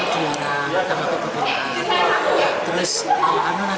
kita pembinaan kita pembinaan kita pembinaan